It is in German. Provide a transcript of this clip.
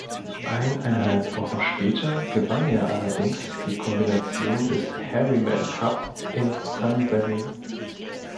Eineinhalb Wochen später gewann er allerdings die Kombination des Harriman Cup in Sun Valley.